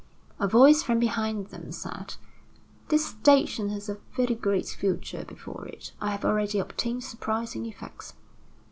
A voice from behind them said: "This station has a very great future before it. I have already obtained surprising effects."